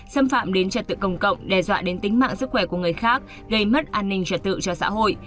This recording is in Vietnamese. xâm phạm đến trật tự công cộng đe dọa đến tính mạng sức khỏe của người khác gây mất an ninh trật tự cho xã hội